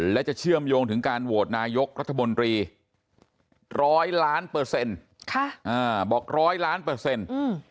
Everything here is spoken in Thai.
และจะเชื่อมโยงถึงการโหวตนายกรัฐบนรี๑๐๐ล้านเปอร์เซ็นต์บอก๑๐๐ล้านเปอร์เซ็นต์